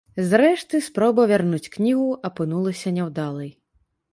Зрэшты, спроба вярнуць кнігу апынулася няўдалай.